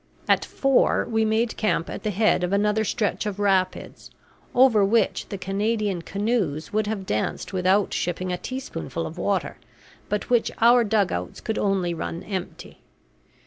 At four we made camp at the head of another stretch of rapids, over which the Canadian canoes would have danced without shipping a teaspoonful of water, but which our dugouts could only run empty.